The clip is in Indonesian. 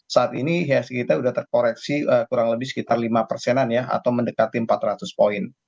saat ini ihsg kita sudah terkoreksi kurang lebih sekitar lima persenan ya atau mendekati empat ratus poin